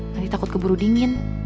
nanti takut keburu dingin